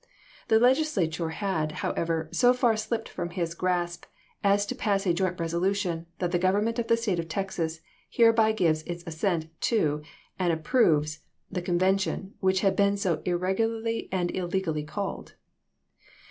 The Leg \eq^ islature had, however, so far slipped from his grasp joint rbho as to pass a joint resolution " that the government ^^TtJ!°i8ol!"' of the State of Texas hereby gives its assent to "House Journal " and approves " the convention, which had been so pp. 57 59. irregularly and illegally called.